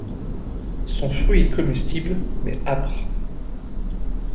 Son fruit est comestible mais âpre.